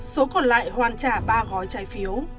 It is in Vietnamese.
số còn lại hoàn trả ba gói trái phiếu